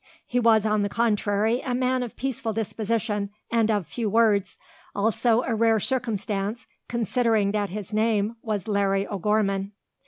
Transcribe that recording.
He was, on the contrary, a man of peaceful disposition, and of few words, also a rare circumstance, considering that his name was Larry O'Gorman.